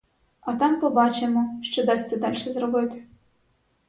А там побачимо, що дасться дальше зробити.